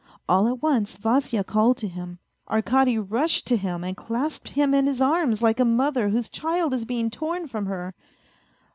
All at once Vasya called to him. Arkady rushed to him and clasped him in his arms like a mother whose child is being torn from her.